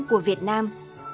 của việt nam